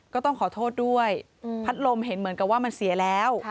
ก็ต้องขอโทษด้วยพัดลมเห็นเหมือนกับว่ามันเสียแล้ว